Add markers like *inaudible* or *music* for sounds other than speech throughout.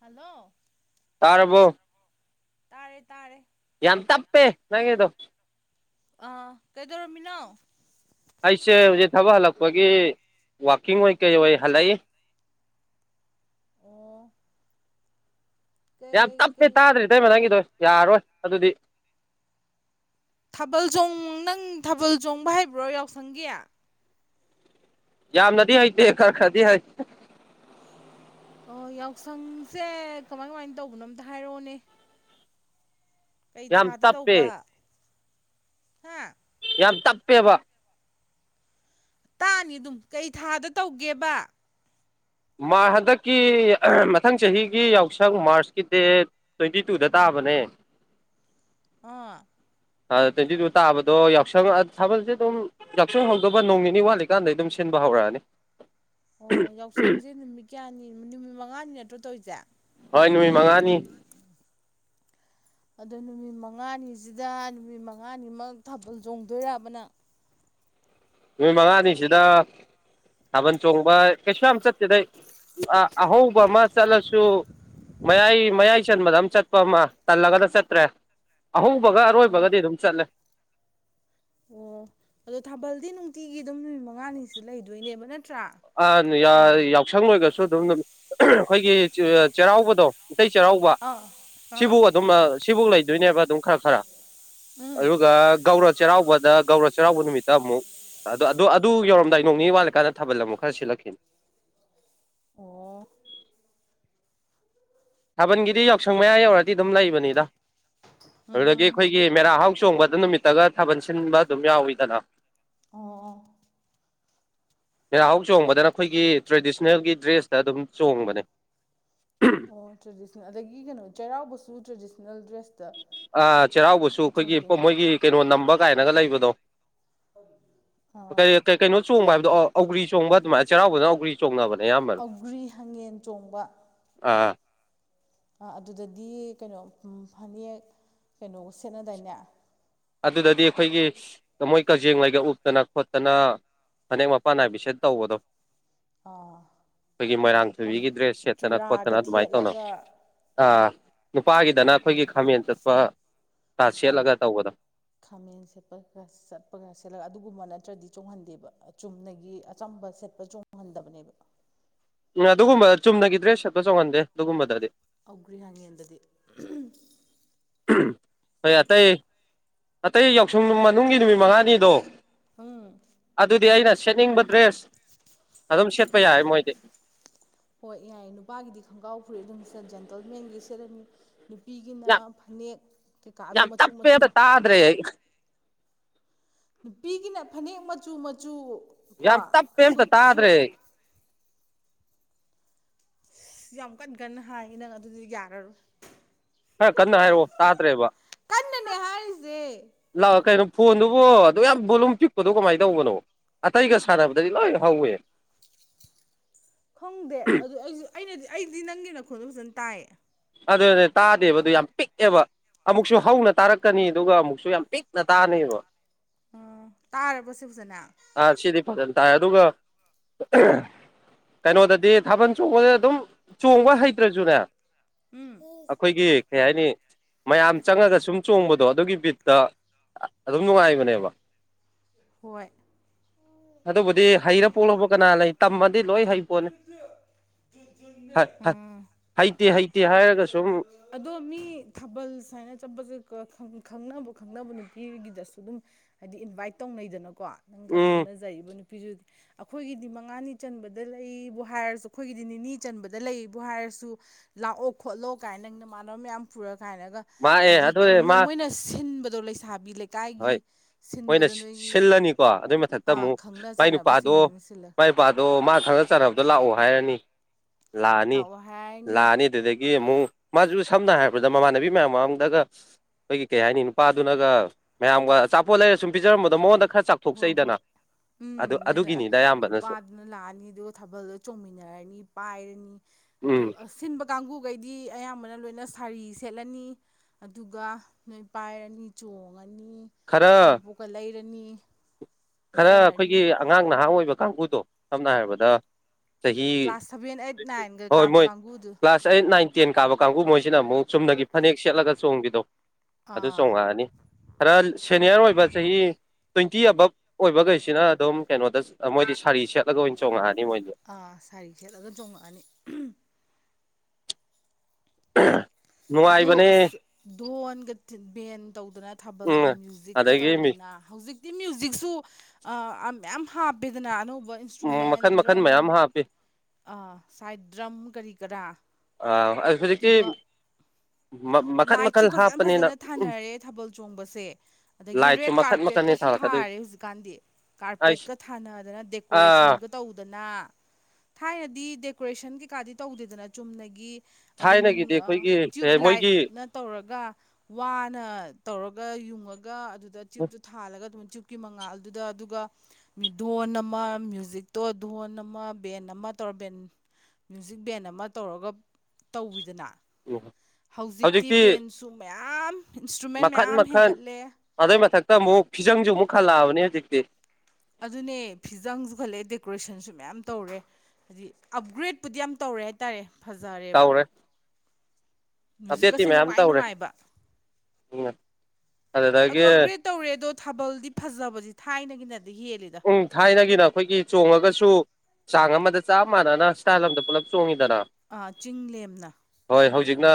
hello ꯇꯥꯔꯕꯣ ꯇꯥꯔꯦ ꯇꯥꯔꯦ ꯌꯥꯝ ꯇꯞꯄꯦ ꯅꯥꯪꯒꯤꯗꯣ ꯑꯥ ꯀꯩꯗꯧꯔꯝꯃꯤꯅꯣ ꯑꯩꯁꯦ ꯍꯧꯖꯤꯛ ꯊꯕꯛ ꯍꯜꯂꯛꯄꯒꯤ ꯋꯥꯛꯀꯤꯡ ꯑꯣꯏ ꯀꯩ ꯑꯣꯏ ꯍꯜꯂꯛꯏ ꯑꯣ ꯌꯥꯝ ꯀꯩ ꯇꯞꯇꯦ ꯀꯩ ꯇꯥꯗꯔꯦ ꯏꯇꯩꯃꯥ ꯅꯪꯒꯤꯗꯣ ꯌꯥꯔꯔꯣꯏ ꯑꯗꯨꯗꯤ ꯊꯥꯕꯜ ꯆꯣꯡ ꯅꯪ ꯊꯥꯕꯜ ꯆꯣꯡꯕ ꯍꯩꯕ꯭ꯔꯣ ꯌꯥꯎꯁꯪꯒꯤ ꯌꯥꯝꯅꯗꯤ ꯍꯩꯇꯦ ꯈꯔ ꯈꯔꯗꯤ ꯍꯩ ꯑꯣ ꯌꯥꯎꯁꯪꯁꯦ ꯀꯃꯥꯏ ꯀꯃꯥꯏꯅ ꯇꯧꯕꯅꯣ ꯑꯝꯇ ꯍꯥꯏꯔꯛꯑꯣꯅꯦ ꯀꯩ ꯌꯥꯝ ꯊꯥꯗ ꯇꯞꯄꯦ ꯇꯧꯕ ꯍꯥ ꯌꯥꯝ ꯇꯞꯄꯦꯕ ꯇꯥꯅꯤ ꯗꯨꯝ ꯀꯩ ꯊꯥꯗ ꯇꯧꯒꯦꯕ ꯍꯟꯗꯛꯀꯤ ꯃꯊꯪ ꯆꯍꯤꯒꯤ ꯌꯥꯎꯁꯪ ꯃꯥꯔꯁꯀꯤ ꯗꯦꯠ ꯇ꯭ꯋꯦꯟꯇꯤ ꯇꯨꯗ ꯇꯥꯕꯅꯦ ꯑꯣ ꯑ ꯇ꯭ꯋꯦꯟꯇꯤ ꯇꯨ ꯇꯥꯕꯗꯣ ꯌꯥꯎꯁꯪ ꯊꯥꯕꯜꯁꯦ ꯑꯗꯨꯝ ꯌꯥꯥꯛꯁꯪꯍꯧꯗꯧꯕ ꯅꯣꯡ ꯅꯤ ꯋꯥꯠꯂꯤꯀꯥꯟꯗꯩ ꯑꯗꯨꯝ ꯁꯤꯟꯕ ꯍꯧꯔꯛꯑꯅꯤ ꯑꯣ ꯌꯥꯎꯁꯪꯁꯦ ꯅꯨꯃꯤꯠ ꯀꯌꯥꯅꯤ ꯅꯨꯃꯤꯠ ꯃꯉꯥꯅꯤ ꯅꯠꯇ꯭ꯔꯣ ꯇꯧꯔꯤꯁꯦ ꯍꯣꯏ ꯅꯨꯃꯤꯠ ꯃꯉꯥꯅꯤ ꯎꯝ *inaudible* ꯑꯗꯣ ꯅꯨꯃꯤꯠ ꯃꯉꯥꯅꯤꯁꯤꯗ ꯅꯨꯃꯤꯠ ꯃꯉꯥꯅꯤꯃꯛ ꯊꯥꯕꯜ ꯆꯣꯡꯗꯣꯏꯔꯥꯕ ꯅꯪ ꯅꯨꯃꯤꯠ ꯃꯉꯥꯅꯤꯁꯤꯗ ꯊꯥꯕꯜ ꯆꯣꯡꯕ ꯀꯩꯁꯨ ꯌꯥꯝ ꯆꯠꯇꯠꯇꯦꯗ ꯑꯩ ꯑꯍꯧꯕꯃ ꯆꯠꯂꯁꯨ ꯃꯌꯥꯏ ꯃꯌꯥꯏ ꯆꯟꯕꯗ ꯑꯃ ꯆꯠꯄ ꯑꯃ ꯇꯜꯂꯒꯅ ꯆꯠꯇ꯭ꯔꯦ ꯑꯍꯧꯕꯒ ꯑꯣ ꯑꯔꯣꯏꯕꯒꯗꯤ ꯑꯗꯨꯝ ꯆꯠꯂꯦ ꯑꯣ ꯑꯗꯣ ꯊꯥꯕꯜꯗꯤ ꯅꯨꯡꯇꯤꯒꯤ ꯑꯗꯨꯝ ꯅꯨꯃꯤꯠ ꯃꯉꯥꯅꯤꯁꯤꯗ ꯂꯩꯗꯣꯏꯅꯦꯕ ꯅꯠꯇ꯭ꯔꯥ ꯑ ꯎꯝ ꯌꯥꯎꯁꯪ ꯂꯣꯏꯒꯔꯁꯨ ꯑꯗꯨꯝ ꯑꯩꯈꯣꯏꯒꯤ ꯆꯩꯔꯥꯎꯕꯗꯣ ꯃꯩꯇꯩ ꯆꯩꯔꯥꯎꯕ ꯑꯥ ꯑꯥ ꯁꯤꯕꯨꯛ ꯑꯗꯨꯝ ꯁꯤꯐꯧ ꯂꯩꯗꯣꯏꯅꯦꯕ ꯑꯗꯨꯝ ꯈꯔ ꯈꯔ ꯎꯝ ꯑꯗꯨꯒ ꯒꯧꯔ ꯆꯩꯔꯥꯎꯕꯗ ꯒꯧꯔ ꯆꯩꯔꯥꯎꯕ ꯅꯨꯃꯤꯠꯇ ꯑꯃꯨꯛ ꯑꯣ ꯑꯗꯨ ꯑꯗꯨ ꯌꯧꯔꯝꯗꯥꯏ ꯅꯣꯡꯅꯤ ꯋꯥꯠꯂꯀꯥꯟꯗ ꯊꯥꯕꯜ ꯑꯃꯨꯛ ꯍꯥꯏꯔꯁꯤ ꯂꯛꯈꯤꯝ ꯑꯣ ꯊꯥꯕꯜꯒꯤꯗꯤ ꯌꯥꯎꯁꯪ ꯃꯌꯥ ꯌꯧꯔꯗꯤ ꯑꯗꯨꯝ ꯂꯩꯕꯅꯤꯗ ꯎꯝ ꯑꯗꯨꯗꯒꯤ ꯎꯝ ꯑꯩꯈꯣꯏ ꯒꯤ ꯃꯦꯔꯥ ꯍꯥꯎ ꯆꯣꯡꯕꯗ ꯅꯨꯃꯤꯠꯇꯒ ꯊꯥꯕꯜ ꯁꯤꯟꯕ ꯑꯗꯨꯝ ꯌꯥꯎꯋꯤꯗꯅ ꯑꯣ *unintelligible* ꯃꯦꯔꯥꯍꯧ ꯆꯣꯡꯕꯗꯅ ꯑꯩꯈꯣꯏꯒꯤ ꯇ꯭ꯔꯦꯗꯤꯁꯅꯦꯜꯒꯤ ꯗ꯭ꯔꯦꯁꯇ ꯑꯗꯨꯝ ꯆꯣꯡꯕꯅꯦ ꯎꯝ ꯑꯣ ꯇ꯭ꯔꯦꯗꯤꯁꯅꯦꯜ ꯑꯗꯒꯤ ꯀꯩꯅꯣ ꯆꯩꯔꯥꯎꯕꯁꯨ ꯇ꯭ꯔꯦꯗꯤꯁꯅꯦꯜ ꯗ꯭ꯔꯦꯁꯇ ꯑ ꯆꯩꯔꯥꯎꯕꯁꯨ ꯑꯩꯈꯣꯏꯒꯤ ꯆꯣꯡꯗꯣꯏꯅꯤ ꯃꯣꯏꯒꯤ ꯀꯩꯅꯣ ꯅꯝꯕ ꯀꯥꯏꯅꯒ ꯂꯩꯕꯗꯣ ꯑꯥ ꯀꯩ ꯀꯩ ꯀꯩꯅꯣ ꯆꯣꯡꯕ ꯍꯥꯏꯕꯗꯣ ꯑꯧꯒ꯭ꯔꯤ ꯆꯣꯡꯕ ꯑꯗꯨꯃꯥꯏꯅ ꯆꯩꯔꯥꯎꯕꯗꯅꯒꯔꯤ ꯆꯣꯡꯉꯕꯅꯦ ꯑꯌꯥꯝꯕꯅ ꯑꯧꯒ꯭ꯔꯤ ꯍꯪꯉꯦꯟ ꯆꯣꯡꯕ ꯑꯥ ꯑꯗꯨꯗꯗꯤ ꯀꯩꯅꯣ ꯐꯅꯦꯛ ꯀꯩꯅꯣ ꯁꯦꯠꯅꯗꯥꯏꯅꯦ ꯑꯗꯨꯗꯗꯤ ꯑꯩꯈꯣꯏꯒꯤ ꯃꯣꯏ ꯀꯖꯦꯡ ꯂꯩꯒ ꯎꯞꯇꯅ ꯈꯣꯠꯇꯅ ꯐꯅꯦꯛ ꯃꯄꯥꯟ ꯅꯥꯏꯕꯤꯁꯦꯠ ꯇꯧꯕꯗꯣ ꯑꯥ ꯑꯩꯈꯣꯏꯒꯤ ꯃꯣꯏꯔꯥꯡ ꯊꯣꯏꯕꯤꯒꯤ ꯗ꯭ꯔꯦꯁ ꯁꯦꯠꯇꯅ ꯆꯨꯔꯥꯒ ꯈꯣꯠꯇꯅ ꯑꯗꯨꯃꯥꯏꯅ ꯇꯧꯅ ꯊꯦꯠꯂꯒ ꯑꯥ ꯅꯨꯄꯥꯒꯤꯗꯅ ꯑꯩꯈꯣꯏꯒꯤ ꯈꯥꯃꯦꯟ ꯆꯠꯄ ꯀꯥ ꯑꯧ ꯁꯦꯠꯂꯒ ꯇꯧꯕꯗꯣ ꯈꯥꯃꯦꯟ ꯁꯦꯠꯄꯒ ꯆꯠꯄꯒ ꯁꯦꯠꯂꯒ ꯑꯗꯨꯒꯨꯝꯕ ꯅꯠꯇ꯭ꯔꯗꯤ ꯆꯣꯡꯍꯟꯗꯦꯕ ꯆꯨꯝꯅꯒꯤ ꯑꯆꯝꯕ ꯁꯦꯠꯄ ꯆꯣꯡꯍꯟꯗꯕꯅꯦꯕ ꯎꯝ ꯑꯗꯨꯒꯨꯝꯕ ꯆꯨꯝꯅꯒꯤ ꯗ꯭ꯔꯦꯁ ꯁꯦꯞꯇꯣ ꯆꯣꯡꯍꯟꯗꯦ ꯑꯗꯨꯒꯨꯝꯕꯗꯗꯤ ꯑꯒ꯭ꯔꯤ ꯍꯥꯡꯉꯦꯟꯗꯗꯤ ꯍꯣꯏ ꯑꯇꯩ ꯑꯇꯩ ꯌꯥꯎꯁꯪ ꯃꯅꯨꯡꯒꯤ ꯅꯨꯃꯤꯠ ꯃꯉꯥꯅꯤꯗꯣ ꯎꯝ ꯑꯗꯨꯗꯤ ꯑꯩꯅ ꯁꯦꯠꯅꯤꯡꯕ ꯗ꯭ꯔꯦꯁ ꯑꯗꯨꯝ ꯁꯦꯠꯄ ꯌꯥꯏꯦ ꯃꯣꯏꯗꯤ ꯍꯣꯏ ꯌꯥꯏ ꯅꯨꯄꯥꯒꯤꯗꯤ ꯈꯣꯡꯒ꯭ꯔꯥꯎ ꯐꯨꯔꯤ ꯑꯗꯨꯝ ꯖꯦꯟꯇꯜꯃꯦꯟꯗꯒꯤ ꯁꯦꯠꯂꯅꯤ ꯅꯨꯄꯤꯒꯤꯅ ꯌꯥꯝ ꯐꯅꯦꯛ ꯀꯩꯀꯥ ꯑꯗꯨ ꯃꯆꯨ ꯃꯆꯨ ꯑꯗꯨ꯭ꯔꯦ ꯅꯨꯄꯤꯒꯤꯅ ꯐꯅꯦꯛ ꯃꯆꯨ ꯃꯆꯨ ꯀꯣ ꯌꯥꯝ ꯇꯞꯄꯦ ꯑꯝꯇ ꯁꯨꯠ ꯁꯨꯠ ꯇꯥꯗ꯭ꯔꯦ ꯌꯥꯝ ꯀꯟ ꯀꯟꯅ ꯍꯥꯏꯌꯦ ꯅꯪ ꯑꯗꯨꯗꯤ ꯌꯥꯔꯔꯣꯏ ꯈꯔ ꯀꯟꯅ ꯍꯥꯏꯔꯛꯑꯣ ꯇꯥꯗ꯭ꯔꯦꯕ ꯀꯟꯅꯅꯦ ꯍꯥꯏꯔꯤꯁꯦ ꯂꯥꯛꯑꯣ ꯀꯩꯅꯣ ꯐꯣꯟꯗꯨꯕꯨ ꯑꯗꯨ ꯌꯥꯝ ꯕꯣꯂꯨꯝ ꯄꯤꯛꯄꯗꯣ ꯀꯃꯥꯏꯅ ꯇꯧꯕꯅꯣ ꯑꯇꯩꯒ ꯁꯥꯟꯅꯕꯗꯗꯤ ꯂꯣꯏ ꯍꯧꯋꯦ ꯈꯪꯗꯦ ꯑꯗꯨ ꯑꯩꯁꯨ ꯑꯩꯅꯗꯤ ꯑꯩꯗꯤ ꯅꯪꯒꯤ ꯅꯈꯣꯟꯗꯣ ꯐꯖꯅ ꯇꯥꯏꯌꯦ ꯑꯗꯨ ꯑꯗꯨ ꯇꯥꯗꯦꯕ ꯑꯗꯨ ꯌꯥꯝ ꯄꯤꯛꯑꯦꯕ ꯑꯃꯨꯛꯁꯨ ꯍꯧꯅ ꯇꯥꯔꯛꯀꯅꯤ ꯑꯗꯨꯒ ꯑꯃꯨꯛꯁꯨ ꯌꯥꯝ ꯄꯤꯛꯅ ꯇꯥꯅꯦꯕ ꯑꯣ ꯇꯥꯔꯕꯣ ꯁꯤ ꯐꯖꯅ ꯑꯥ ꯁꯤꯗꯤ ꯐꯖꯅ ꯇꯥꯏ ꯑꯗꯨꯒ ꯀꯩꯅꯣꯗꯗꯤ ꯊꯥꯕꯜ ꯆꯣꯡꯕꯗ ꯑꯗꯨꯝ ꯆꯣꯡꯕ ꯍꯩꯇ꯭ꯔꯁꯨꯅꯦ ꯎꯝ ꯑꯩꯈꯣꯏꯒꯤ ꯀꯩ ꯍꯥꯏꯅꯤ ꯃꯌꯥꯝ ꯆꯪꯉꯒ ꯁꯨꯝ ꯆꯣꯡꯕꯗꯣ ꯑꯗꯨꯒꯤ ꯕꯤꯠꯇ ꯑꯗꯨꯝ ꯅꯨꯡꯉꯥꯏꯕꯅꯦꯕ ꯍꯣꯏ ꯑꯗꯨꯕꯨꯗꯤ ꯍꯩꯔ ꯄꯣꯛꯂꯕ ꯀꯅꯥ ꯂꯩ ꯇꯝꯃꯗꯤ ꯂꯣꯏ ꯍꯩ ꯄꯣꯅꯤ ꯑꯥ ꯍꯩꯇꯦ ꯍꯩꯇꯦ ꯍꯥꯏꯔꯒ ꯁꯨꯝ ꯑꯗꯣ ꯃꯤ ꯊꯥꯕꯜ ꯁꯨꯃꯥꯏꯅ ꯆꯠꯄꯁꯦ ꯈꯪꯅꯕ ꯈꯪꯅꯕ ꯅꯨꯄꯤꯒꯤꯗꯁꯨ ꯑꯗꯨꯝ ꯍꯥꯏꯗꯤ ꯏꯟꯚꯥꯏꯠ ꯇꯧꯅꯩꯗꯅꯀꯣ ꯅꯪꯒ ꯎꯝ ꯈꯪꯅꯖꯔꯤꯕ ꯅꯨꯄꯤꯁꯨ ꯑꯩꯈꯣꯏꯒꯤꯗꯤ ꯃꯉꯥꯅꯤ ꯆꯟꯕꯗ ꯂꯩꯕꯨ ꯍꯥꯏꯔꯁꯨ ꯑꯩꯈꯣꯏꯒꯤꯗꯤ ꯅꯤꯅꯤ ꯆꯟꯕꯗ ꯂꯩꯕꯨ ꯍꯥꯏꯔꯁꯨ ꯂꯥꯛꯑꯣ ꯈꯣꯠꯂꯣ ꯀꯥꯏꯅ ꯅꯃꯥꯟꯅꯕ ꯃꯌꯥꯝ ꯄꯨꯔ ꯀꯥꯏꯅꯒ ꯃꯥꯛꯑꯦ ꯍꯥꯏꯗꯤ ꯑꯗꯨꯅꯦ ꯃꯥ ꯈꯝꯅꯩ ꯃꯣꯏꯅ ꯁꯤꯟꯕꯗꯣ ꯂꯩꯁꯥꯕꯤ ꯂꯩ ꯍꯣꯏ ꯃꯣꯏꯅ ꯁꯤꯜꯂꯅꯤꯀꯣ ꯑꯗꯨꯏ ꯃꯊꯛꯇ ꯑꯥ ꯑꯃꯨꯛ ꯈꯪꯅ ꯃꯥꯏ ꯅꯨꯄꯥꯗꯣ ꯆꯥꯟꯅꯕꯁꯤꯡꯗꯨꯅ ꯁꯤꯜꯂ ꯃꯥꯏ ꯅꯨꯄꯥꯗꯣ ꯃꯥ ꯈꯪꯅ ꯆꯔꯕꯗꯣ ꯂꯥꯛꯑꯣ ꯍꯥꯏꯔꯅꯤ ꯂꯥꯛꯑꯅꯤ ꯂꯥꯛꯑꯣ ꯍꯥꯏꯔꯅꯤ ꯂꯥꯛꯑꯅꯤ ꯑꯗꯨꯗꯒꯤ ꯑꯃꯨꯛ ꯃꯥꯁꯨ ꯁꯝꯅ ꯍꯥꯏꯔꯕꯗ ꯃꯃꯥꯟꯅꯕꯤ ꯃꯌꯥꯝ ꯃꯔꯝꯗꯒ ꯑꯩꯈꯣꯏꯒꯤ ꯀꯩ ꯍꯥꯏꯅꯤ ꯅꯨꯄꯥꯗꯨꯅꯒ ꯃꯌꯥꯝꯒ ꯑꯆꯥꯄꯣꯠ ꯂꯩꯔ ꯁꯨꯝ ꯄꯤꯖꯔꯝꯕꯗꯣ ꯃꯉꯣꯟꯗ ꯈꯔ ꯍꯣꯏ ꯆꯥꯎꯊꯣꯛꯆꯩꯗꯅ ꯍꯣꯏ ꯎꯝ ꯑꯗꯨ ꯅꯣꯏꯅ ꯑꯗꯨꯒꯤꯅꯤꯗ ꯑꯌꯥꯝꯕꯅꯁꯨ ꯅꯨꯄꯥꯗꯨꯅ ꯂꯥꯛꯑꯅꯤ ꯑꯗꯨꯒ ꯊꯥꯕꯜꯗ ꯆꯣꯡꯃꯤꯟꯅꯔꯅꯤ ꯄꯥꯏꯔꯅꯤ ꯑꯗ ꯎꯝ ꯁꯤꯟꯕ ꯀꯥꯡꯕꯨꯈꯩꯗꯤ ꯑꯌꯥꯝꯕꯅ ꯂꯣꯏꯅ ꯁꯥꯔꯤ ꯁꯦꯠꯂꯅꯤ ꯑꯗꯨꯒ ꯅꯣꯏ ꯄꯥꯏꯔꯅꯤ ꯆꯣꯡꯉꯅꯤ ꯈꯔ ꯑꯆꯥꯄꯣꯛꯀ ꯂꯩꯔꯅꯤ ꯈꯔ ꯄꯤꯖꯔꯅꯤ ꯑꯩꯈꯣꯏꯒꯤ ꯑꯉꯥꯡ ꯅꯍꯥ ꯑꯣꯏꯕ ꯀꯥꯡꯕꯨꯗꯣ ꯁꯝꯅ ꯍꯥꯏꯔꯕꯗ ꯆꯍꯤ ꯀ꯭ꯂꯥꯁ ꯁꯚꯦꯟ ꯑꯩꯠ ꯅꯥꯏꯟꯒ ꯍꯣꯏ ꯀꯥꯕ ꯃꯣꯏ ꯀꯥꯡꯕꯨ ꯀ꯭ꯂꯥꯁ ꯑꯩꯠ ꯅꯥꯏꯟ ꯇꯦꯟ ꯀꯥꯕ ꯀꯥꯡꯕꯨ ꯃꯣꯏꯁꯤꯅ ꯑꯃꯨꯛ ꯆꯨꯝꯅꯒꯤ ꯐꯅꯦꯛ ꯁꯦꯠꯂꯒ ꯆꯣꯡꯕꯤꯗꯣ ꯑꯗꯨ ꯑꯥ ꯆꯣꯡꯉꯛꯑꯅꯤ ꯈꯔ ꯁꯦꯅꯤꯌꯔ ꯑꯣꯏꯕ ꯆꯍꯤ ꯇ꯭ꯋꯦꯟꯇꯤ ꯑꯕꯞ ꯑꯣꯏꯕꯈꯩꯁꯤꯅ ꯑꯗꯨꯝ ꯀꯩꯅꯣꯗ ꯃꯣꯏꯗꯤ ꯁꯥꯔꯤ ꯁꯦꯠꯂꯒ ꯑꯣꯏꯅ ꯆꯣꯡꯉꯛꯑꯅꯤ ꯃꯣꯏꯗꯤ ꯑꯥ ꯁꯥꯔꯤ ꯈꯦꯠꯂꯒ ꯆꯣꯡꯉꯛꯑꯅꯤ ꯑ ꯑꯗꯣ ꯑꯁ ꯗꯙꯣꯟꯒ ꯕꯦꯟ ꯇꯧꯗꯅ ꯎꯝ ꯊꯥꯕꯜꯒꯤ ꯃ꯭ꯌꯨꯖꯤꯛꯀ ꯑꯗꯒꯤ ꯃꯤ ꯇꯧꯗꯅ ꯍꯧꯖꯤꯛꯇꯤ ꯃ꯭ꯌꯨꯖꯤꯛꯁꯨ ꯃꯌꯥꯝ ꯍꯥꯞꯄꯦꯗꯅ ꯑꯅꯧꯕ ꯏꯟꯁꯇ꯭ꯔꯨꯃꯦꯟ ꯃꯈꯟ ꯃꯈꯟ ꯗ꯭ꯔꯝ ꯃꯌꯥꯝ ꯍꯥꯞꯄꯤ ꯑꯥ ꯁꯥꯏꯠ ꯗ꯭ꯔꯝ ꯀꯔꯤ ꯀꯔꯥ ꯑꯥ ꯑꯗꯨ ꯍꯧꯖꯤꯛꯛꯇ ꯑꯗꯨꯒ ꯂꯥꯏꯠꯁꯨ ꯐꯖꯅ ꯐꯖꯅ ꯊꯥꯅꯔꯦ ꯊꯥꯕꯜ ꯆꯣꯡꯕꯁꯦ ꯑꯗꯒꯤ ꯂꯥꯏꯠꯁꯨ ꯔꯦꯠ ꯃꯈꯟ ꯀꯥꯔꯄꯦꯠꯀ ꯃꯈꯟꯅꯤ ꯊꯥꯔꯛꯀꯗꯣꯏ ꯊꯥꯔꯦ ꯍꯧꯖꯤꯛꯀꯥꯟ ꯑꯩꯁ ꯀꯦꯠꯀ ꯊꯥꯅꯗꯅ ꯑ ꯗꯦꯀꯦꯁꯟ ꯇꯧꯗꯅ ꯊꯥꯏꯅꯗꯤ ꯗꯦꯀꯣꯔꯦꯁꯟ ꯀꯩꯀꯥꯗꯤ ꯇꯧꯗꯦꯗꯅ ꯆꯨꯝꯅꯒꯤ ꯑꯗꯨꯝ ꯊꯥꯏꯅꯒꯤꯗꯤ ꯑꯩꯈꯣꯏꯒꯤ ꯇ꯭ꯌꯨꯕ ꯂꯥꯏꯠ ꯃꯣꯏꯒꯤ ꯅ ꯇꯧꯔꯒ ꯋꯥꯅ ꯇꯧꯔꯒ ꯌꯨꯡꯉꯒ ꯑꯗꯨꯗ ꯆꯌꯨꯞꯇꯨ ꯊꯥꯜꯂꯒ ꯑꯗꯨꯝ ꯀꯤ ꯃꯉꯥꯜ ꯑꯗꯨꯗ ꯑꯗꯨꯒ ꯙꯣꯟ ꯑꯃ ꯃ꯭ꯌꯨꯖꯤꯛꯇꯣ ꯙꯣꯟ ꯑꯃ ꯕꯦꯟ ꯑꯃ ꯇꯧꯔ ꯕꯦꯟ ꯃ꯭ꯌꯨꯖꯤꯛ ꯕꯦꯟ ꯑꯃ ꯇꯧꯔꯒ ꯇꯧꯋꯤꯗꯅ ꯑꯣ ꯍꯧꯖꯤꯛꯇꯤ ꯕꯦꯟꯁꯨ ꯃꯌꯥꯝ ꯏꯟꯁꯇ꯭ꯔꯨꯃꯦꯟ ꯃꯈꯟ ꯃꯌꯥꯝ ꯃꯈꯟ ꯍꯦꯟꯒꯠꯂꯦ ꯑꯗꯨꯏ ꯃꯊꯛꯇ ꯑꯃꯨꯛ ꯐꯤꯖꯪꯁꯨ ꯑꯃꯨꯛ ꯍꯜꯂꯛꯑꯕꯅꯤ ꯍꯧꯖꯤꯛꯇꯤ ꯑꯗꯨꯅꯦ ꯐꯤꯖꯪꯁꯨ ꯈꯠꯂꯑꯦ ꯗꯦꯀꯣꯔꯦꯁꯟꯁꯨ ꯃꯌꯥꯝ ꯇꯧꯔꯦ ꯍꯥꯏꯗꯤ ꯑꯞꯒ꯭ꯔꯦꯗꯄꯨꯗꯤ ꯌꯥꯝ ꯇꯧꯔꯦ ꯍꯥꯏꯇꯥꯔꯦ ꯐꯖꯔꯦꯕ ꯇꯧꯔꯦ ꯑꯞꯗꯦꯠꯇꯤ ꯃꯖꯤꯛꯀꯁꯦ ꯃꯌꯥꯝ ꯅꯨꯡꯉꯥꯏ ꯇꯧꯔꯦ ꯅꯨꯡꯉꯥꯏꯕ ꯎꯝ ꯑꯗꯣ ꯑꯗꯨꯗꯒꯤ ꯑꯞꯒ꯭ꯔꯦꯗ ꯇꯧꯔꯦ ꯑꯗꯣ ꯊꯥꯕꯜꯗꯤ ꯐꯖꯕꯁ ꯊꯥꯏꯅꯒꯤꯅꯗꯤ ꯍꯦꯜꯂꯦꯗ ꯄ ꯊꯥꯏꯅꯒꯤꯅ ꯑꯩꯈꯣꯏꯒꯤ ꯆꯣꯡꯉꯒꯁꯨ ꯆꯥꯡ ꯑꯃꯗ ꯆꯞ ꯃꯥꯟꯅꯅ ꯏꯁ꯭ꯇꯥꯏꯜꯣꯝꯗ ꯄꯨꯂꯞ ꯆꯣꯡꯉꯤꯗꯅ ꯆꯤꯡ ꯂꯦꯝꯅ ꯍꯣꯏ ꯍꯧꯖꯤꯛꯅ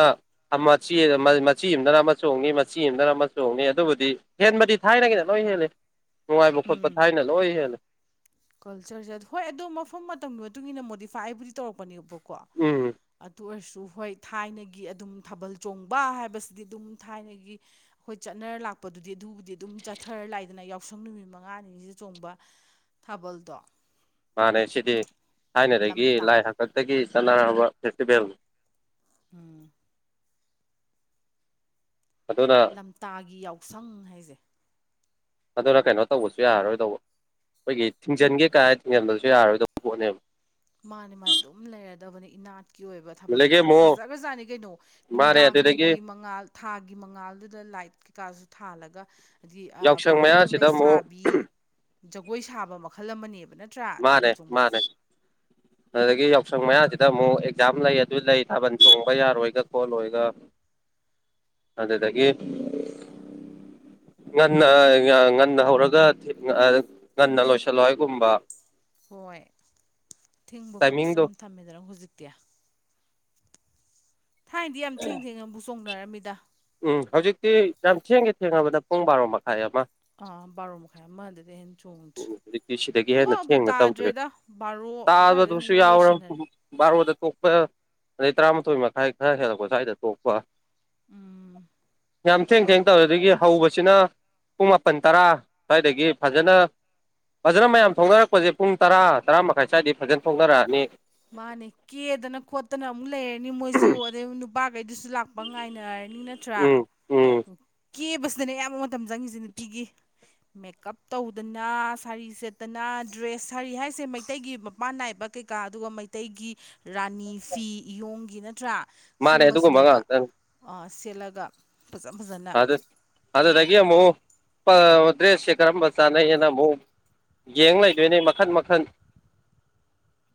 ꯃꯆ ꯃꯆꯤ ꯑꯃꯗꯅ ꯑꯃꯨꯣꯡꯅꯤ ꯃꯆꯤ ꯑꯃꯗꯅ ꯑꯃꯨ ꯍꯣꯡꯅꯤ ꯑꯗꯨꯕꯨꯗꯤ ꯍꯦꯟꯕꯗꯤ ꯊꯥꯏꯅꯒꯤꯅ ꯂꯣꯏ ꯍꯦꯜꯜꯂꯤ ꯅꯨꯡꯉꯥꯏꯕ ꯈꯣꯠꯄ ꯎꯝ ꯊꯥꯏꯅ ꯂꯣꯏ ꯍꯦꯜꯂꯦ ꯀꯜꯆꯔꯁꯦ ꯍꯣꯏ ꯑꯗꯣ ꯃꯐꯝ ꯃꯇꯝꯒꯤ ꯃꯇꯨꯡ ꯏꯟꯅ ꯃꯣꯗꯤꯐꯥꯏ ꯑꯩꯕꯨꯗꯤ ꯇꯧꯔꯛꯄꯅꯦꯕꯣꯛ ꯀꯣ ꯎꯝ ꯑꯗꯨ ꯑꯣꯏꯔꯁꯨ ꯍꯣꯏ ꯊꯥꯏꯅꯒꯤ ꯑꯗꯨꯝ ꯊꯥꯕꯜ ꯆꯣꯡꯕ ꯍꯥꯏꯕꯁꯤꯗꯤ ꯑꯗꯨꯝ ꯊꯥꯏꯅꯒꯤ ꯍꯣꯏ ꯆꯠꯅꯔ ꯂꯥꯛꯄꯗꯨꯗꯤ ꯑꯗꯨꯕꯨꯗꯤ ꯑꯗꯨꯝ ꯆꯠꯊꯔ ꯂꯥꯛꯏꯗꯅ ꯌꯥꯎꯁꯪ ꯅꯨꯃꯤꯠ ꯃꯉꯥꯅꯤꯁꯤꯗ ꯆꯣꯡꯕ ꯊꯥꯕꯜꯗꯣ ꯃꯥꯅꯦ ꯁꯤꯗꯤ ꯊꯥꯏꯅꯗꯒꯤ ꯂꯝꯇꯥ ꯂꯥꯏ ꯍꯥꯛꯇꯛꯇꯒꯤ ꯆꯠꯅꯔꯛꯑꯕ ꯐꯦꯁꯇꯤꯚꯦꯜꯅꯤ ꯎꯝ ꯑꯗꯨꯅ ꯂꯝꯇꯥꯒꯤ ꯌꯥꯎꯁꯪ ꯍꯥꯏꯁꯦ ꯑꯗꯨꯅ ꯀꯩꯅꯣ ꯇꯧꯕꯁꯨ ꯌꯥꯔꯔꯣꯏꯗꯧꯕ ꯑꯩꯈꯣꯏꯒꯤ ꯊꯤꯡꯖꯤꯟꯒꯦ ꯀꯥꯏ ꯊꯤꯡꯖꯤꯟꯕꯁꯨ ꯌꯥꯔꯔꯣꯏꯗꯧꯕ ꯄꯣꯠꯅꯦꯕ ꯃꯥꯅꯦ ꯃꯥ ꯑꯗꯨꯝ ꯂꯩꯔꯗꯕꯅꯤ ꯏꯅꯥꯠ ꯀꯤ ꯑꯣꯏꯕ ꯊꯥꯕꯜ ꯑꯗꯒꯤ ꯆꯣꯡꯕ ꯀꯥꯏꯁꯤ ꯑꯃꯨꯛ ꯐꯖꯈꯔꯖꯥꯠꯅꯤ ꯀꯩꯅꯣ ꯃꯥꯅꯦ ꯑꯗꯨꯗꯒꯤ ꯅꯨꯡꯗꯥꯡꯒꯤ ꯃꯉꯥꯜ ꯊꯥꯒꯤ ꯃꯉꯥꯜꯗꯨꯗ ꯂꯥꯏꯠ ꯀꯩꯀꯥꯁꯨ ꯊꯥꯜꯂꯒ ꯍꯥꯏꯗꯤ ꯑꯥ ꯌꯥꯎꯁꯪ ꯄꯥꯈꯪ ꯃꯌꯥꯁꯤꯗ ꯑꯃꯨꯛ ꯂꯩꯁꯥꯕꯤ ꯖꯒꯣꯏ ꯁꯥꯕ ꯃꯈꯜ ꯑꯃꯅꯦꯕ ꯅꯠꯇ ꯃꯥꯅꯦ ꯃꯥꯅꯦ ꯑꯗꯨꯗꯒꯤ ꯌꯥꯎꯁꯪ ꯃꯌꯥꯁꯤꯗ ꯑꯃꯨꯛ ꯑꯦꯛꯖꯥꯝ ꯂꯩ ꯑꯗꯨ ꯂꯩ ꯊꯥꯕꯜ ꯆꯣꯡꯕ ꯌꯥꯔꯣꯏꯒ ꯈꯣꯠꯂꯣꯏꯒ ꯑꯗꯨꯗꯒꯤ ꯉꯟꯅ ꯉꯟꯅ ꯍꯧꯔꯒ ꯉꯟꯅ ꯂꯣꯏꯁꯤꯜꯂꯣ ꯍꯥꯏꯒꯨꯝꯕ ꯍꯣꯏ ꯊꯤꯡꯕ ꯈꯣꯠꯄꯁꯨ ꯇꯥꯏꯃꯤꯡꯗꯣ ꯌꯥꯝ ꯊꯝꯃꯦꯗꯅ ꯍꯧꯖꯤꯛꯇꯤ ꯊꯥꯏꯅꯗꯤ ꯌꯥꯝ ꯊꯦꯡ ꯊꯦꯡꯅꯕꯨ ꯆꯣꯡꯅꯔꯝꯃꯤꯗ ꯎꯝ ꯍꯧꯖꯤꯛꯇꯤ ꯌꯥꯝ ꯊꯦꯡꯒꯦ ꯊꯦꯡꯉꯕꯗ ꯄꯨꯡ ꯕꯥꯔꯣ ꯃꯈꯥꯏ ꯑꯃ ꯑꯥ ꯕꯥꯔꯣ ꯃꯈꯥꯏ ꯑꯃꯗꯨꯗꯒꯤ ꯍꯦꯟ ꯆꯣꯡꯗꯔꯤ ꯍꯧꯖꯤꯛꯇꯤ ꯁꯤꯗꯒꯤ ꯍꯦꯟꯅ ꯑꯃꯕꯨ ꯊꯦꯡꯅ ꯇꯧꯗ꯭ꯔꯦ ꯇꯥꯗ꯭ꯔꯦꯗ ꯕꯥꯔꯣ ꯑꯗꯨꯋꯥꯏꯗ ꯇꯥꯕꯗꯨꯁꯨ ꯂꯣꯏ ꯌꯥꯎꯔ ꯂꯣꯏꯁꯤꯟꯅꯔꯦ ꯕꯥꯔꯣꯗ ꯇꯣꯛꯄ ꯑꯗꯩ ꯇꯔꯥꯃꯥꯊꯣꯏ ꯃꯈꯥꯏ ꯈꯔ ꯍꯦꯜꯂꯛꯄ ꯁ꯭ꯋꯥꯏꯗ ꯇꯣꯛꯄ ꯎꯝ ꯌꯥꯝ ꯊꯦꯡ ꯊꯦꯡ ꯇꯧꯔ ꯑꯗꯒꯤ ꯍꯧꯕꯁꯤꯅ ꯄꯨꯡ ꯃꯥꯄꯟ ꯇꯔꯥ ꯁ꯭ꯋꯥꯏꯗꯒꯤ ꯐꯖꯅ ꯐꯖꯅ ꯃꯌꯥꯝ ꯑꯣꯀꯦ ꯊꯣꯡꯅꯔꯛꯄꯁꯦ ꯄꯨꯡ ꯇꯔꯥ ꯇꯔꯥ ꯃꯈꯥꯏ ꯁ꯭ꯋꯥꯏꯗꯤ ꯐꯖꯅ ꯊꯣꯡꯅꯔꯛꯑꯅꯤ ꯃꯥꯅꯦ ꯀꯦꯗꯅ ꯈꯣꯠꯇꯅ ꯑꯃꯨꯛ ꯂꯩꯔꯅꯤ ꯃꯣꯏꯁꯨ ꯑꯗꯩ ꯅꯨꯄꯥꯉꯩꯗꯨꯁꯨ ꯂꯥꯛꯄ ꯉꯥꯏꯅꯔꯅꯤ ꯅꯠꯇ꯭ꯔꯥ ꯎꯝ ꯎꯝ ꯀꯦꯕꯁꯤꯗꯅꯦ ꯑꯌꯥꯝꯕ ꯃꯇꯝ ꯆꯪꯉꯤꯁꯦ ꯅꯨꯄꯤꯒꯤ ꯃꯦꯀꯞ ꯇꯧꯗꯅ ꯁꯥꯔꯤ ꯁꯦꯠꯇꯅ ꯗ꯭ꯔꯦꯁ ꯁꯥꯔꯤ ꯍꯥꯏꯁꯦ ꯃꯩꯇꯩꯒꯤ ꯃꯄꯥꯟ ꯅꯥꯏꯕ ꯀꯩꯀꯥ ꯑꯗꯨꯒ ꯃꯩꯇꯩꯒꯤ ꯔꯥꯅꯤ ꯐꯤ ꯏꯌꯣꯡꯒꯤ ꯅꯠꯇ꯭ꯔꯥ ꯃꯥꯅꯦ ꯑꯗꯨꯒꯨꯝꯕ ꯁꯨꯝꯕꯁꯤꯅꯦꯕ ꯉꯥꯛꯇꯅꯤ ꯑ ꯁꯦꯠꯂꯒ ꯐꯖ ꯐꯖꯅ ꯑꯗꯨ ꯑꯗꯨꯗꯒꯤ ꯑꯃꯨꯛ ꯄ ꯗ꯭ꯔꯦꯁꯁꯦ ꯀꯔꯝꯕ ꯆꯥꯟꯅꯩꯌꯦꯅ ꯑꯃꯨꯛ ꯌꯦꯡ ꯂꯩꯗꯣꯏꯅꯦ ꯃꯈꯟ ꯃꯈꯟ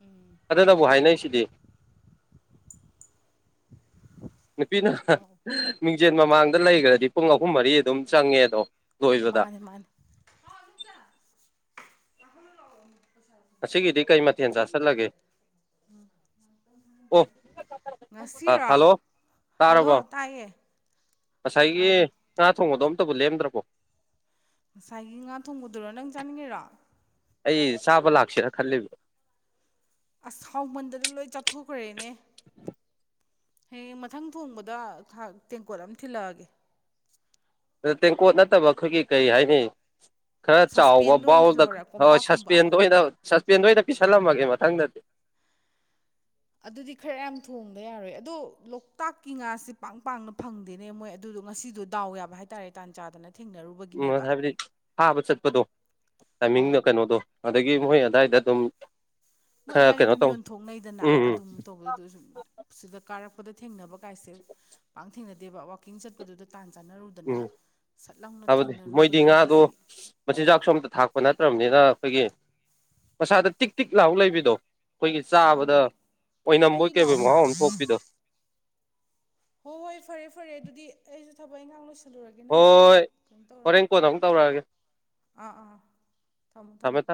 ꯎꯝ ꯑꯗꯨꯅꯕꯨ ꯍꯥꯏꯅꯩꯁꯤꯗꯤ ꯅꯨꯄꯤꯅ ꯑꯧ ꯃꯤꯡꯖꯦꯜ ꯃꯃꯥꯡꯗ ꯂꯩꯈ꯭ꯔꯗꯤ ꯄꯨꯡ ꯑꯍꯨꯝ ꯃꯔꯤ ꯑꯗꯨꯝ ꯆꯪꯉꯦ ꯑꯗꯣ ꯂꯣꯏꯕꯗ ꯃꯥꯅꯦ ꯃꯥꯅꯦ ꯉꯁꯤꯒꯤꯗꯤ ꯀꯩ ꯃꯊꯦꯜ ꯆꯥꯁꯤꯜꯂꯒꯦ ꯑꯣ ꯑ ꯉꯁꯤꯔꯣ ꯍꯜꯂꯣ ꯍꯜꯂꯣ ꯇꯥꯔꯕꯣ ꯇꯥꯏꯌꯦ ꯉꯁꯥꯏꯒꯤ ꯑꯥ ꯉꯥ ꯊꯣꯡꯕꯗꯣ ꯑꯝꯇꯕꯨ ꯂꯦꯝꯗ꯭ꯔꯕꯣ ꯉꯁꯥꯏꯒꯤ ꯉꯥ ꯊꯣꯡꯕꯗꯨꯔꯣ ꯅꯪ ꯆꯥꯅꯤꯡꯉꯤꯔꯣ ꯑꯩ ꯆꯥꯕ ꯂꯥꯛꯁꯤꯔꯥ ꯈꯜꯂꯤꯕ ꯑꯁ ꯍꯥꯎꯃꯟꯗꯅ ꯂꯣꯏ ꯆꯥꯊꯣꯛꯈ꯭ꯔꯦꯅꯦ *inaudible* ꯍꯌꯦꯡ ꯃꯊꯪ ꯊꯣꯡꯕꯗ ꯊꯛ ꯇꯦꯡꯀꯣꯠ ꯑꯃ ꯊꯤꯜꯂꯛꯑꯒꯦ ꯇꯦꯡꯀꯣꯠ ꯅꯠꯇꯕ ꯑꯩꯈꯣꯏꯒꯤ ꯀꯩ ꯍꯥꯏꯅꯤ ꯈꯔ ꯆꯥꯎꯕ ꯁꯁꯄꯦꯟꯗ ꯑꯣꯏꯅ ꯕꯥꯎꯜꯗ ꯊꯤꯜꯂꯛꯑꯣꯔꯥ ꯍꯣꯏ ꯀꯣꯝꯄꯥꯛꯀꯨꯝꯕ ꯁꯁꯄꯦꯟꯗ ꯑꯣꯏꯅ ꯁꯁꯄꯦꯟꯗ ꯑꯣꯏꯅ ꯄꯤꯁꯜꯂꯝꯃꯒꯦ ꯃꯊꯪꯗꯗꯤ ꯑꯗꯨꯗꯤ ꯈꯔ ꯌꯥꯝ ꯊꯣꯡꯗ ꯌꯥꯔꯣꯏ ꯑꯗꯣ ꯂꯣꯛꯇꯥꯛꯀꯤ ꯉꯥꯁꯦ ꯄꯥꯛ ꯄꯥꯛꯅ ꯐꯪꯗꯦꯅꯦ ꯃꯣꯏ ꯑꯗꯨꯗꯣ ꯉꯁꯤꯗꯨ ꯗꯥꯎ ꯌꯥꯕ ꯍꯥꯏꯇꯥꯔꯦ ꯇꯥꯟ ꯆꯥꯗꯅ ꯊꯦꯡꯅꯔꯨ ꯎꯝ ꯍꯥꯏꯕꯗꯤ ꯐꯥꯕ ꯆꯠꯄꯗꯣ ꯑꯧ ꯇꯥꯏꯃꯤꯡꯗ‌ꯣ ꯀꯩꯅꯣꯗꯣ ꯑꯗꯒꯤ ꯃꯣꯏ ꯑꯗꯥꯏꯗ ꯑꯗꯨꯝ ꯃꯣꯏ ꯈꯔ ꯑꯗꯨꯗꯥꯏꯗ ꯀꯩꯅꯣ ꯑꯗꯨꯝ ꯇꯧ ꯌꯣꯟꯊꯣꯛꯅꯩꯗꯅ ꯎꯝ ꯎꯝ ꯑꯗꯨꯝ ꯇꯧꯕꯗ ꯁꯨꯝ ꯁꯤꯗ ꯀꯥꯔꯛꯄꯗ ꯊꯦꯡꯅꯕ ꯀꯥꯏꯁꯦ ꯄꯥꯛ ꯊꯦꯡꯅꯗꯦꯕ ꯋꯥꯛꯀꯤꯡ ꯆꯠꯄꯗꯨꯗ ꯇꯥꯟ ꯆꯥꯟꯅꯔꯨꯗ ꯑꯗꯨꯅ ꯎꯝ ꯁꯠ ꯂꯥꯎꯅ ꯊꯦꯡꯅꯔꯨꯕꯒꯤ ꯉꯁꯤ ꯃꯆꯤꯟꯖꯥꯛ ꯁꯣꯝꯇ ꯊꯥꯛꯄ ꯅꯠꯇ꯭ꯔꯕꯅꯤꯅ ꯑꯩꯈꯣꯏꯒꯤ ꯃꯁꯥꯗ ꯇꯤꯛ ꯇꯤꯛ ꯂꯥꯎ ꯂꯩꯕꯤꯗꯣ ꯑꯩꯈꯣꯏꯒꯤ ꯆꯥꯕꯗ ꯃꯥꯅꯦ ꯎꯏ ꯎꯏ ꯑꯣꯏꯅꯝꯕꯣꯏ ꯀꯩꯕꯣꯏ ꯂꯥꯎꯋꯦꯕ ꯃꯍꯥꯎ ꯑꯃ ꯊꯣꯛꯄꯤꯗꯣ ꯍꯣꯏ ꯍꯣꯏ ꯐꯔꯦ ꯐꯔꯦ ꯑꯗꯨꯗꯤ ꯑꯩꯁꯨ ꯊꯕꯛ ꯑ ꯉꯍꯥꯛ ꯂꯣꯏꯁꯤꯦ ꯍꯣꯏ ꯍꯣꯔꯦꯟ ꯀꯣꯟ ꯑꯃꯨꯛ ꯇꯧꯔꯛꯑꯒꯦ ꯑꯥ ꯑꯥ ꯊꯝꯃꯣ ꯊꯝꯃꯦ ꯊꯝꯃꯣ ꯊꯝꯃꯦ